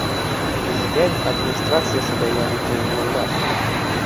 Prezident Administratsiyasida yangi tayinlovlar